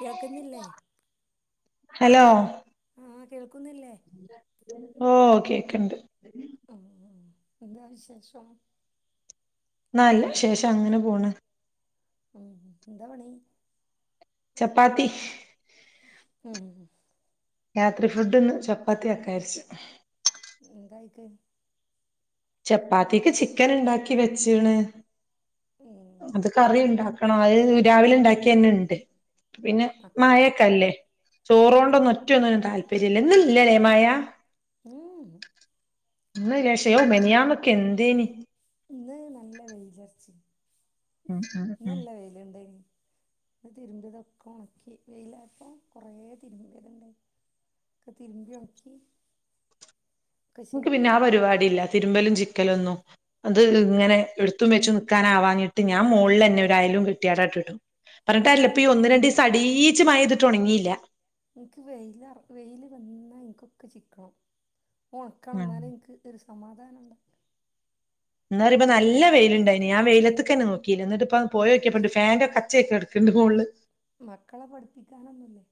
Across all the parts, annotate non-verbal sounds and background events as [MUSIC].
കേക്കുന്നില്ലേ ഹലോ ഓ കേക്ക്ണ്ട് ആ എന്താ വിശേഷം നല്ല വിശേഷം അങ്ങനെ പോണ് ഉം എന്താ പണി ചപ്പാത്തി ഉം രാത്രി ഫുഡ്ന്ന് ചപ്പാത്തി ആക്കാരിച്ചു എന്തായിക്ക് ചപ്പാത്തിക്ക് ചിക്കനിണ്ടാക്കി വെച്ച്ണ് ഉം അത് കറി ണ്ടാ ക്കണം അത് രാവിലെ ണ്ടാക്കിയെന്നെണ്ട് പിന്നെ മക്കൾ മയൊക്കല്ലേ കു ചോറോണ്ടൊന്നും ഒറ്റൊന്നിനും താല്പര്യല്ല ഇന്ന് ല്ല ലെ മയ ഉം ഇന്ന് ലെ ശെയോ മിനിയാന്നൊക്കെ എന്തേനി ഇന്ന് നല്ല വെയിലറച്ച് ഇന്ന് ഉം ഉം ഉം നല്ല വെയ്ല്ണ്ടെയ്നി ന്ന് തിരുമ്പ്യതൊക്കെ ഒണക്കി വെയിലായപ്പോ കൊറേ തിരുമ്പേത്ണ്ടായ്നി ഒക്കെ തിരുമ്പിയൊണക്കി ൻക്ക് പിന്നെ ആ പരിപാടി ഇല്ല തിരുമ്പലും ചിക്കലൊന്നും അത് ഉം ഇങ്ങനെ ഇട് എടുതും വെച്ച് നിൽക്കാനാവാഞ്ഞിട്ട് ഞാൻ മോളില് തന്നെ ഒരു അയ കെട്ടിയാ യിട്ട്ടും പറഞ്ഞിട്ട് കാര്യമില്ല ഇപ്പ ഈ എനിക്ക് ഒന്ന് രണ്ടു ദിവസം അടീച്ച് മഴ പെയ്തിട്ട് ഒണങ്ങീല. ഇൻക് വെയിൽ വെയില് വന്നാ എനിക്കൊക്കെ ചിക്കണം. ഒണക്കണം എന്നാലേ എനിക്ക് ഒരു സമാധാനം ഉണ്ട എന്താ പറയ്ക ഇപ്പ നല്ല വെയിലുണ്ടായിനി നാ വെയിലത്തക്കന്നെ നോക്കീല എന്നിട്ടിപ്പ പോയി നോക്കിയപ്പയുണ്ട് ഫാന്റെ കച്ചൊക്കെ കെട - ന്ത്‌ പോളില്. [UNINTELLIGIBLE] മക്കളെ പഠിപ്പിക്കാനൊന്നുല്ലേ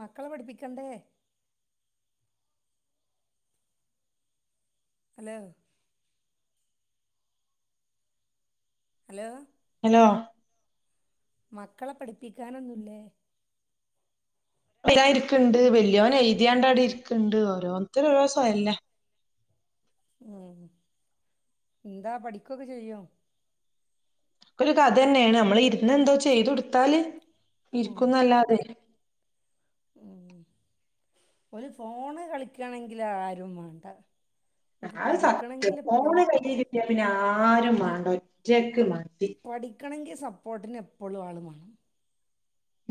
മക്കളെ പഠിപ്പിക്കണ്ടേ ഹലോ ഹലോ ആ [UNINTELLIGIBLE] മക്കളെ പഠിപ്പിക്കാനൊന്നുമില്ലേ എ [UNINTELLIGIBLE] ല്ല ഇരിക്കണ്ട് വലിയോന എഴുതിയാണ്ടാടി ഇരിക്കണ്ട് ഓരോരുത്തരു ഓരോ സമയവില്ലേ ഉം എന്താ പഠിക്കൊക്കെ ചെയ്യോ ഒരു കഥ തന്നെയാണ് നമ്മള് ഇരുന്ന് എന്തോ ചെയ്ത കൊടുത്താല് ഇരിക്കുന്നല്ലാതെ- ഓന് ഫോണ് കളിക്കണെങ്കിൽ ആരും വേണ്ട അവൾക്ക് ആത് സത്യ പഠിക്കണമെങ്കിൽ പോണ എപ്പോഴും കയ്യിലില്ല പിന്നെ ആര വേണ്ട ഒറ്റ പഠിക്കണെങ്കിൽ സപ്പോർട്ടിന് എപ്പോഴും ആള വേണം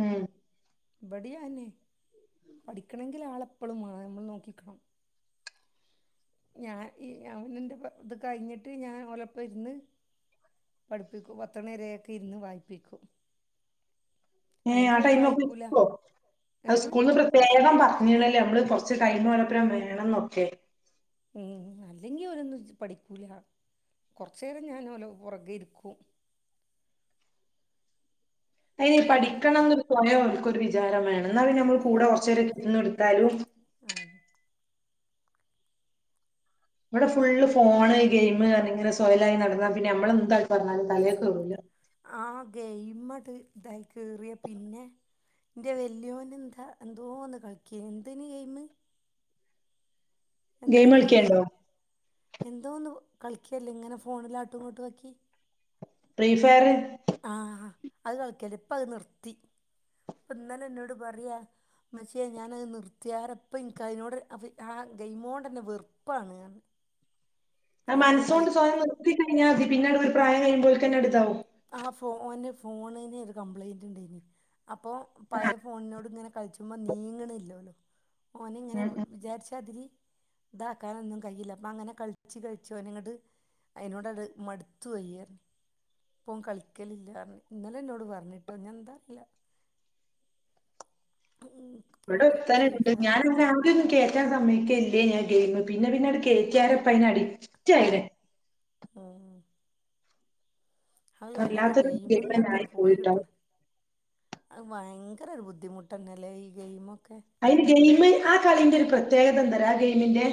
ഉം ഇബടിയാന്നെ പഠിക്കണെങ്കിൽ ആളെപ്പോഴും നമ്മൾ നോക്കിക്കണം ഞാൻ ഈ അവൻ എൻന്റെ ഇത് കഴിഞ്ഞിട്ട് ഞാൻ ഒലപ്പ ഇരുന്ന് പഠിപ്പിക്കു പത്തണരയൊക്കെ ഇരുന്ന് വായി്പിക്കും ഏഹ ആ ടൈമ ഒക്കെോ ഏ അത് സ്കൂളിന്ന് പ്രത്യേകം പറഞ്ഞ നമ്മള് കൊറച്ച് കഴിഞ്ഞ പോലപ്പുറം വേണംന്നൊക്കെ ഉം അല്ലെങ്കി ഒരൊന്നും പഠിക്കൂല കുറച്ച നേേരം ഞാൻഓല പുറകെ ഇരിക്കും [UNINTELLIGIBLE] അയിന അപ്പ പഠിക്കണംന്നൊരു കുയമള്ള ഒരു വിചാരം വേണം എന്നാ നമ്മൾ കൂടെ കുറച്ച നേരെ കിട്ടന്ന എടുത്താലും ആഹ ഇവിടെ ഫുള്ള് ഫോണ് ഗെയിം അ ഇങ്ങനെ സ്വയലായി നടന്നാ പിന്നെ നമ്മള് എന്തായിട്ട പറഞ്ഞാലല് തലയൊക്കെ ഉള്ളൂല്ല ആ ഗെയിമട്ട് ഇതായി ക കേറിയ പിന്നെ എന്റെ വെല്യുന എന്താ എന്തോ ഒന്ന് കളിക്ക എന്തന് ഗെയിമ എന്താ ഗെയിം ഇന പറയാ കളിക്കേണ്ടോ? എന്തോ ഒന്ന് കളിക്കല്ലേ ഇങ്ങനെ ഫോണിലാട്ടുംങ്ങോട്ട് വയ്ക്കി ഫ്രീ ഫയർ ആഹ് അത് കളിക്കല ഇപ്പ അത് നിർത്തി ഇപ്പ എന്നാല എന്നോട് പറയാ മച്ചേ ഞാനത് നിർത്തിയറപ്പം എനിിക്ക അതിനോട് ആ ഗെയിമ കൊണ്ടന്നെ വെറുപ്പാണ്ഞ ആ മനസുകൊണ്ട് സ്വയം നിർത്തി കഴിഞ്ഞാൽ മതി പിന്നെട് ഒരു പ്രായം കഴിയുമ്പോഴേ തന്നെ എടുത്താവോ ആ ഫോ ഫോണിന് ഒരു കംപ്ലൈന്റ് ഉണ്ടനി അപ്പോൊ പയ ആഹ് ഫോണിനോട് ഇങ്ങനെ കളിച്ച്പോ നീങ്ങണില്ലല്ലോ [UNINTELLIGIBLE] ഓന ഉം ഇങ്ങനെ ഉം. വിചാരിച്ചാതിരി ഇതാക്കാനൊന്നും കഴിയില്ല അപ്പ അങ്ങനെ കളിച്ചച്ച് കഴിച്ചോ നിങ്ങ് അയിതിനോട് അടു മടുത്തു വയ്യന്ന് പോം കളിക്കലില്ല പറ ഇന്നലും എന്നോട് പറഞ്ഞിട്ടോ ഞൻ എന്താ അറിയില്ല ഇപ്പോൾ ഇവിടെ ഫീ ഒത്തനുണ്ട് ഫീഫ ഞാന ഒന്നും കേറ്റാൻ സമയക്ക ഞ ഗമ പിന്നെ പി നാ കേ ചാരപ്പ ഇ നാടി ചായര ആ അയോ അങ്ങനെ വല്ലാത്തൊരു ഗെയിം തന്നെ ഗെയയി്മന്നൊക്കെ ആയി പോയി പോയിട്ടോ കിട്ടണം ഭയര ഇത്രരു ബുദ്ധിമുട്ടന്നല്ലെഈ അതിന് ഗെയിമ ആ കളിന്റെ ഒരു പ്രത്യേകത എന്തരാ ആ ഗെയിമിൻന്റെ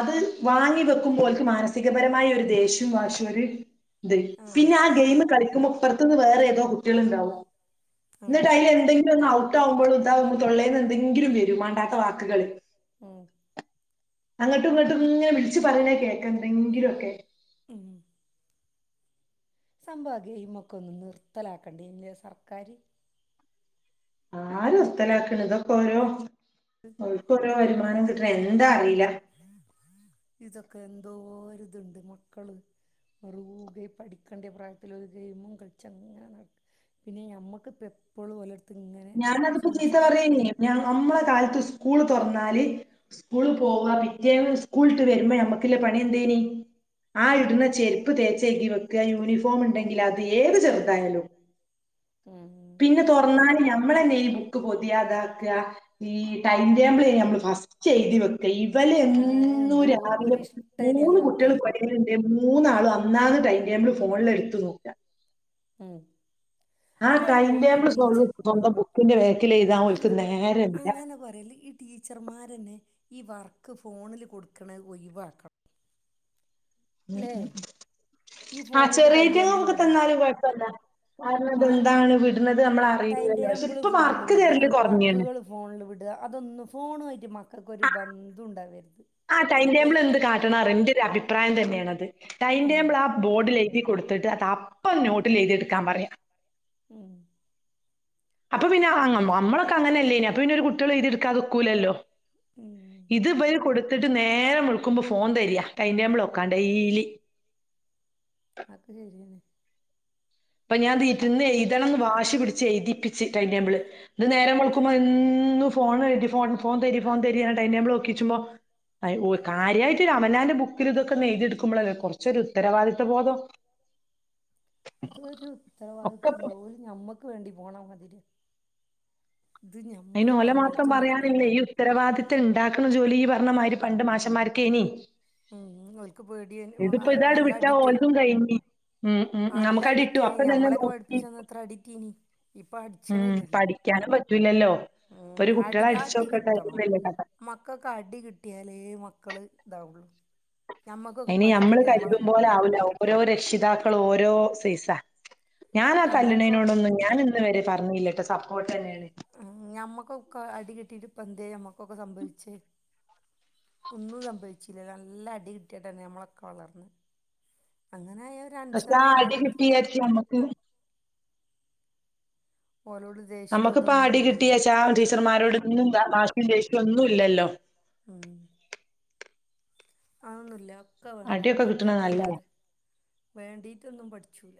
അത് വാങ്ങി വെക്കുമ്പോൾക്ക് മാനസികപരമായ ഒരു ദേഷ്യവും വഷം ഒരു അതെ ആഹ് പിന്നെ ആ ഗെയിം കളിക്കുമ്പോ അപ്പുറത്തന്ന് വേറെ ഏതോ കുട്ടികൾ ഉണ്ടാവും ആഹ് എന്നി് അൽ എന്തെങ്കിലും ഒന്ന് ഔട്ട്കുമ്പോൾ ഇതാ തള്ളേ എന്തെങ്കിലും എങ്കിലും വരും വേണ്ടാത്ത വാക്കുകൾ ഉം അങ്ങട്ടും ഇങ്ങോട്ടും ഇങ്ങനെ വിളിച്ചച്ച് പറഞ്ഞ കേക്ക എന്തെങ്കിലുംൊക്കെ ഉ സംഭവ ഗെ ഇമൊക്കെ ഒന്നും നിർത്തലാക്കണ്ടേ ഇല്ല സർക്കാാര് ആര് ർത്തലാക്ക്ണ് ഇതൊക്കെ ഓരോ ഓൽക്കൊ ഓരൊ മാനം കിട്ട്ണെ ന്തറീല ഇതൊക്കെ എന്തോരിത്ണ്ട് മുക്കള് റൂകെ പഠിക്ക്യണ്ട പ്രായത്തില് ഒരു ഗെയിമും കളിച്ച്ങ്ങനെ പിന്നെ നമ്മക്കിപ്പം എപ്പളും ഓല ഞാനതിപ്പൊ ചീത്ത പറയേന്നു ഞമ്മളെ കാലത്ത് സ്കൂ സ്കൂള് തൊറന്നാല് സ്കൂള് പോവാ പിറ്റേന്ന് സ്കൂള്ട്ട് വരുമ്പൊ നമ്മക്കില്ല പണി എന്തേന് ആഹ് ഇട്ന്ന ചെരുപ്പ് തേച്ചെഗി വക്ക യൂണിഫോമ് ഇണ്ടെങ്കി അത് ഏത് ചെറുതായാലും [INAUDIBLE] ഉം പിന്നെ തൊറന്നാല് ഞമ്മളന്നെ ഈ ബുക്ക് പൊതിയ താക്ക ഈ ടൈംടേബിള് നമ്മള് ഫസ് ചെയ്തി വെക്ക ഇതല്ലെ ആഹ് എന്നും എന്തോ രാവിലെ മൂന്ന് ഒരിഷ്ടേനല്ലോ ഒക്കെ കുട്ടീള് പഠിക്കണ്ണ്ട് മൂ മൂന്നാളും അന്നാന്ന് ടൈം ടേബിള് ഫോണില് എടുത്ത് നോക്ക ഉം ആഹ് അല്ലേലും കൈയ്ന്റേബ്ള് സൊ സ്വന്തം ബുക്കിന്റെ വേ അങ്ങനെ അങ്ങനെ പറയെല്ലി ഈ ടീച്ചർമാരന്നെ ഈ വറ്ക്ക് ഫോണില് കൊട്ക്ക്ണ ഒഴിവാക്കണം ല്ലേ ഈ ആഹ് ഫോണിൽ ടൈം ടേബിൾ ചെറീറ്റങ്ങക്കൊക്കെ വിട് തന്നാലും കൊഴപ്പല്ല കാരണം വാ അതെന്താണ് വിട്ന്നത് ടൈം നമ്മളറീലലൊ. പക്ഷെ ടേബിൾ ഇപ്പ വർക്ക് തരല് കൊറഞ്ഞീന് അതൊന്ന് ഫോണു ആയിട്ട് മക്കക്കൊരു ബന്ധൊണ്ടാവര്ത് ആ ടൈം ടേബിൾ എന്ത് കാട്ടണം ഇന്റൊരു അഭിപ്രായം തന്ന്യാണത് ടൈം ഉം ടേബിൾ ആ ബോർഡിലെഴ് എഴ്തി കൊട്ത്തിട്ട് അതപ്പം നോട്ടിലെഴുതിട്ക്കാൻ പറയ ഉം അപ്പൊ പിന്നെ അ നമ്മളൊക്കെ അങ്ങനെല്ലേനൊ അപ്പൊ പിന്നെ ഒരു കുട്ടിളും എഴ്തെടുക്കാത് ഒക്കൂലല്ലൊ ഉം ഇത് ഇബയ് കൊട് ട്ത്തിട്ട് നേരം വെളുക്കുമ്പൊ ഫോൺ തെരയ ടൈം ടാബിളോക്കാൻം ഡെയിലി അതൊക്കെ ശരിയാണ് ഇപ്പൊ ഞാൻ തിര്ന്നെഴുതണം വാശി പിടിച്ച് എഴ്തിപ്പിച്ച് ടൈംടേബിള് ഇത് നേരം വന്ന് ഫോണെരിം ഫോൺ ഫോൺ തരിം ഫോൺ തരിം ടൈംടേബിള് നോക്കിച്ചുമ്പൊ ഓ കാര്യായിട്ട് അവനാന്റെ ബുക്കില് ഇതൊക്കൊന്നെയ്തിടുക്കുമ്പളല്ലെ കൊറച്ചൊരു ഉത്തരവാദിത്ത ബോധം [INAUDIBLE] ഇതൊരു ഒക്കെ ഉത്തരവാദിത്വല്ല ഇപ്പൊ ഓര് ഞമ്മക്ക് വേണ്ടി പോണ മാതിരി അയിന് ഓല മാത്രം പറയാനില്ലെ ഈ ഉത്തരവാദിത്തം ഇണ്ടാക്ക ജോലി ഈ പറഞ്ഞമാരി പണ്ട് മാശമ്മാർക്കേന് ഉം ഓൽക്ക് പേടിയെ ഒ അ ഇതാട് നല്ല വിട്ടാ അടിറ്റും ഓലതും കഴിഞ്ഞ് ഉം ഉം ആ ഉം അല്ല നമുക്കടി ഇട്ടു അടിറ്റൊയ്ന് അപ്പൊ തന്നെ ഞമ്മളൊക്കെ നോക്കി പഠിപ്പിച്ചന്ന് എത്ര അടിറ്റീന് ഇപ്പ അടിച്ച്ണില്ല അനെ പറ്റൂല്ലല്ലോ ഉം അടി കിട്ടണം കഥ മക്കക്ക് അടി കിട്ടിയാലെ മക്കള് ട്ടൗണണ് ഇനി ഞമ്മള് കരുതും പോല ആവൂല ഓരോ രക്ഷിതാക്കളും ഓരോ സൈസാ ഞാനാ ആ ഞമ്മക്കൊക്കെ തല്ല്ണേനോടൊന്നും ഞാന് ഇന്ന് വരെ പറഞ്ഞീല്ലാട്ടൊ സപ്പോർട്ടെന്നേണ് ഉം ഞമ്മക്കൊക്കെ അടികിട്ടീട്ട് ഇപ്പ എന്തേ ഞമ്മ്ക്കൊക്കെ സംഭവിച്ച് ഒന്നും സംഭവിച്ചില്ല നല്ല അടി കിട്ടിട്ടെന്നെ ഞമ്മളൊക്കെ വളർന്നത് പഷെ ആഹ് അടികിട്ടി വിജാരിച്ച് ഞമ്മക്ക് ഓലോട് ദേഷ്യോ നമ്മക്കിപ്പം ഇതൊന്നും അടി കിട്ടി ഇല്ലല്ലോ ആഹ് ടീച്ചർമാരോട് ഇന്നുംവാശി ദേഷ്യൊന്നുല്ലല്ലൊ ഉം അവൊന്നില്ല ഒക്കെ വേണം കിട്ട്ണ അടിയൊക്കെ നല്ലതാ അല്ലാതെ വേണ്ടീറ്റൊന്നും പഠിച്ച ച്ചൂല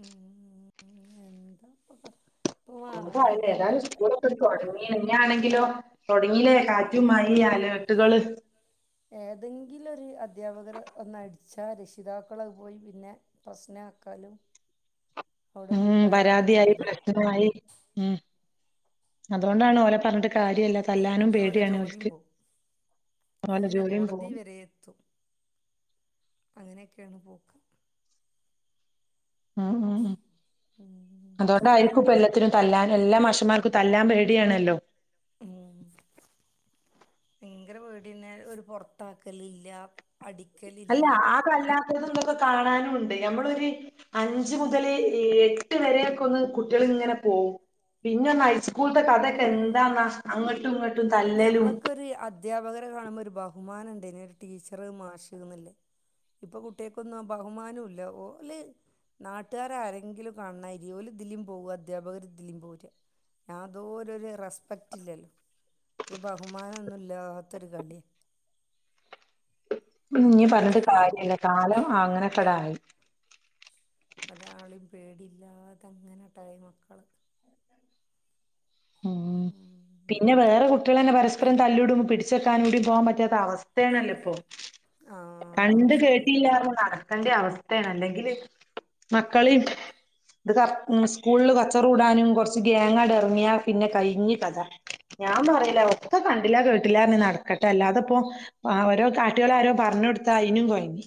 ഉം എന്താപ്പ ഇപ്പൊ ആ [UNINTELLIGIBLE] ഏന്താലും ഏതെങ്കിലും ഒരു സ്കൂള്ക്കെ തൊടങ്ങി ഇഞിയാണെങ്കി ലോ തൊടങ്ങിലെ കാറ്റും മഴീം അലേർട്ടുകള് ഏതെങ്കിലൊര് അധ്യാപകര് ഒന്നടിച്ചാ രക്ഷിതാക്കളത് പോയി പിന്നെ പ്രശ്നാ തക്കാലും ഉ പരാതിയായി പറയലും പ്രശ്നമായി ഉ അതുകൊണ്ടാണ് ഓല പറഞ്ഞിട്ട് കാര്യല്ല തല്ലാനും പേടിയാണ് അവൾക്ക് അതിനെ കോടതി വരെ എത്തും അങ്ങനെ കേെണുപോക്കാം ഉം ഉം ഉ ഉം അതുകൊണ്ടായിരിക്കും ഇപ്പ എല്ലാത്തിനും തല്ലാൻ എല്ലാ മാഷുമാർക്കും തല്ലാൻ പേടിയണല്ലോ ഉം ഭയങ്കര വീടന്ന ഒരു പൊറത്താക്കലീല്ല അടിക്കലില്ല കാണാനുംുണ്ട് നമ്മളൊരു അഞ്ച് മുതൽ എട്ട് വരെയൊക്കെ ഒന്ന് കുട്ടികൾ ങ്ങനെ പോ പിന്നെ ഒ ഹൈസ്കൂളത്തെ കഥൊക്കെ എന്താന്നാ അങ്ങോട്ടും ഇങ്ങട്ട് ഞമ്മക്കൊരു അധാപകരെ കാണുമ്പോ ഒരു ഭാഗം ബഹുമാനുണ്ട് ഇനിൊരു ടീച്ചറ് മാഷന്നില്ലേ ഇപ്പൊ കുട്ടികക്കൊന്നും ബഹുമാനം ഇല്ല ഓ അല്ലേ നാട്ടുകാര ആരെങ്കിലും കാണ ഇരിോല ദില്ലീം പോക അധ്യാപകര് ദില്ലീം പോില്ല ഞാാന്തോര ഒരു റെസ്പെക്റ്റ് ഇല്ലല്ലോ ഒരു ബഹുമാനംൊന്നുംല്ലാാത്തൊരു കളിയെ ന പറഞ്ഞിട്ട് കാര്യല്ല കാലം അങ്ങനെത്തട ആയി ഒരാളും പേടില്ലാതെങ്ങനെട്ടായി മക്കള് ഉ പിന്നെ വേറെ കുട്ടികൾ തന്നെ പരസ അപ്പം തല്ലൂടടുമ്പോ പിടെക്കാന കടും പോകാൻ പറ്റാത്ത അവസ്ഥയാണല്ലോ ഇപ്പോൊ ആ അത് കണ്ട് കേട്ടില്ലോ നടക്കണ്ട അവസ്ഥയാണ് അല്ലെങ്കില് മക്കള ഇത് ക സ്കൂളിൽ കച്ചറ കൂടാനും കൊറച്ച് ഗേങ്ങട ഇറങ്ങിയാ പിന്നെ കഴിഞ്ഞ കഥ ഞാൻ പററിയില്ല ഒക്ക കണ്ടില്ല കേട്ടില്ലാര നടക്കട്ടെ അല്ലാതപ്പോൊ ആ ഓരോ കാട്ടുകൾ ആരോ പറഞ്ഞ കൊടുത്താ അതിനും കോഴങ്ങി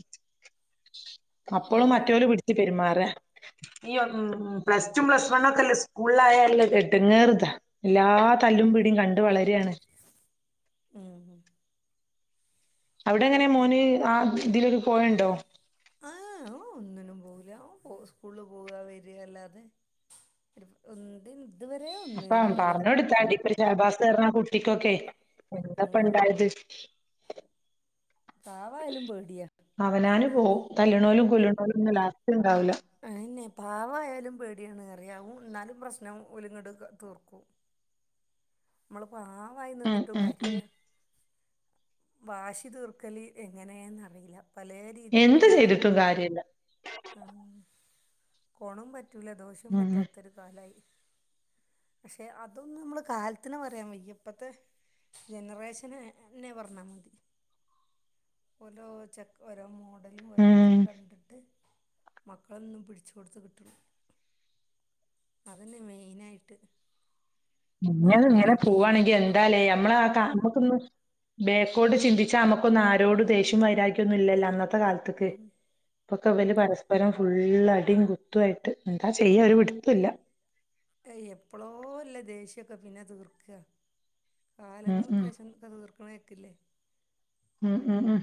അപ്പോളും ശരിയാണ് മറ്റവര് പിടിിച്ചു പെരുമാറ ഈ പ്ലസ് ടു പ്ലസ് വൺ ഒക്കെല്ലേ സ്കൂളായാലല്ലേ കേെട്ട്ങ്ങയറുതാ എല്ലാ തല്ലും പിീടിയും കണ്ട് വളരയാണ് ഉഹ അവിടെ എങ്ങനെ മോന് ആ ഇതിലൊരു പോയുണ്ടോ ആഹ് ഒന്നിനും പോകില്ല പോ സ്കൂളിൽ പോവ വരികല്ലാതെ ഒന്ത് അപ്പം പറഞ്ഞ കൊടുത്താണ്ട ഇപ്പ ശാബാസ്ഞ്ഞാ കുട്ടിക്കൊക്കെ എന്താപ്പ ഉം ഡായജസ്റ്റ് കാവായാലും പേടിയാ ഓ തല്ലണോലും കുുലുണോലുംന്നും ലാസ്റ്റ് ഉണ്ടാവില്ല ആന്നെ പാവ ആാലും പേടിയാണ് കറിയാവും എന്നാലും പ്രശ്നം ഒലുങ്ങട് തീർക്കും [INAUDIBLE] നമ്മളിപ്പോൊ ആ വായി ഉം നിന്നിട്ടും ഉം ഉം കാര്യല്ലോ വാശി തൂർക്കലി എങ്ങനെയെന്നറിയില്ല പലയ എന്ത് രീതിക്കല്ലേ ചെയ്തിട്ടും കാര്യല്ല കൊണ പറ്റ ദോഷം ഉം പറ്റത്തരു കാലായി പക്ഷെ അതൊന്ന നമ്മ അത്തി പറയാ മ ഇപ്പഴത്തെ ജനറേഷന് എന്നെ പറഞ്ഞാൽ മതി ഓരോ ചെക് ഓരോ മോഡലും ഉം ഓരോതും കണ്ടിട്ട് മക്കളൊന്നും പിടിച്ചുക കൊടുത്ത കിട്ടുള്ള അതന്നെ മെയിനായിട്ട് നിങ്ങ കുറേ ഇങ്ങനെ ടി വിയും പോവവാണെങ്കിൽ എന്താലേ നമ്മ ആ ബേക്കോട്ട് ചിന്തിച്ചാ നമുക്കൊന്ന ആരോട് ദേഷ്യ വൈരാക്കിയ ഒന്നും ഇല്ലോ ഇത്ത കാലത്തക്ക് ഉം ഇപ്പൊക്കെ അവല് പരസ്പരം ഫുുള്ളടിയും കുത്തുായിട്ട് എന്താ ചെയ്യാ ഒരു പിടുത്തല്ല എപ്പളോ ല്ല ദേഷ്യൊക്കെ പിന്നെ തീർക്കുക ഉം ഉം കാലങ്ങൾകേശംകഥ തീർക്കണേക്കില്ലേ ആഹ് ആഹ് ആഹ്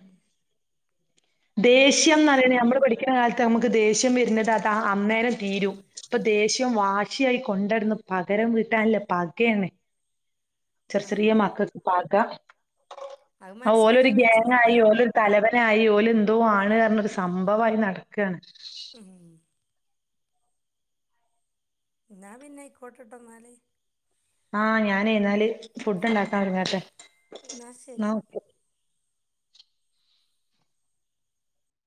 ദേഷ്യംന്ന് പിന്നെന്താന്ന് പറയണ നമ്മള് പഠിക്കുന്ന കാലത്ത് - ദേഷ്യം വരുന്നത് അത് ആ അന്നേരം തീരും ഇപ്പൊ ദേഷ്യം വാ- ച്ചിയായി കൊണ്ട് നടന്ന് പകരം വീട്ടാനില്ലെ പകയാണ് ചെറിയ ആ ചെറിയ മക്കൾക്ക് പക അത് ആ ഓലൊരു മനസ്സിലിങ്ങനെ വെച്ച് ഗേങ്ങ് ആയി നിൽക്കുക ഓലൊരു തലവ- ആയി ഓല് എന്തോ ആണ് പറഞ്ഞൊരു സംഭവായി നടക്കാണ് മമ് ഇന്നാ പിന്നെ ആയിക്കോട്ടെട്ടൊ ഇന്നാല് ആഹ് ഞാന് ഇന്നാല് ഫുഡ് ഇണ്ടാക്കാൻ ഒരുങ്ങട്ടെ എന്നാ ശരി ന്നാ ഓക്കെ